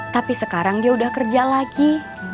tapi sekarang dia udah kerja lagi